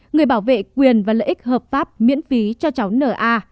người bảo vệ quyền và lợi ích hợp pháp miễn phí cho cháu n a